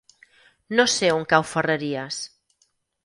No sé on cau Ferreries.